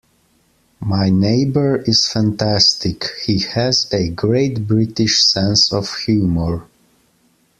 My neighbour is fantastic; he has a great British sense of humour.